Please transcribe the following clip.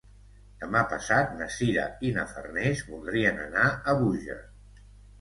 Demà passat na Sira i na Farners voldrien anar a Búger.